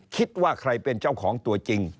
คิดว่าใครเป็นเจ้าของตัวจริง